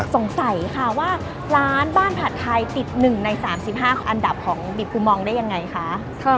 สงสัยค่ะว่าร้านบ้านผัดไทยติด๑ใน๓๕อันดับของบีบกูมองได้ยังไงคะ